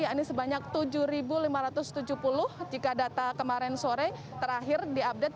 ini sebanyak tujuh lima ratus tujuh puluh jika data kemarin sore terakhir diupdate